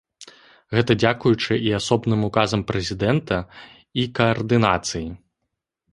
Гэта дзякуючы і асобным указам прэзідэнта, і каардынацыі.